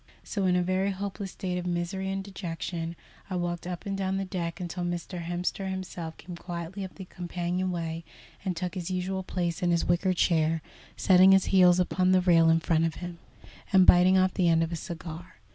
So, in a very hopeless state of misery and dejection, I walked up and down the deck until Mr. Hemster himself came quietly up the companion way and took his usual place in his wicker chair, setting his heels upon the rail in front of him, and biting off the end of a cigar.